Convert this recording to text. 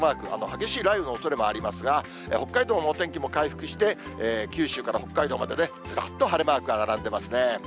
激しい雷雨のおそれもありますが、北海道のお天気も回復して、九州から北海道までずらっと晴れマークが並んでますね。